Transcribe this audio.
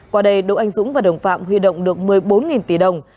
qua đây đỗ anh dũng và đồng phạm huy động được một mươi bốn tỷ đồng